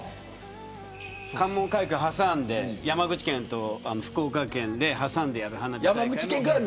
関門海峡を挟んで山口県と福岡県で挟んでやる花火大会。